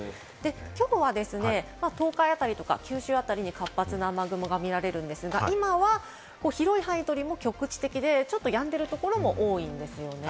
きょうはですね、東海あたりとか九州あたりに活発な雨雲が見られるんですが、今は広い範囲というよりも局地的で、ちょっとやんでるところも多いんですよね。